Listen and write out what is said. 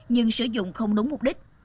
nhưng sử dụng không đúng mục đích